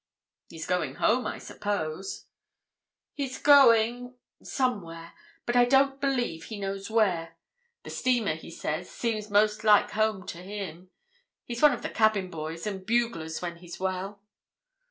"He's going home, I suppose?" "He's going: somewhere, but I don't believe he knows where. The steamer, he says, seems most like home to him. He's one of the cabin boys and buglers when he's well."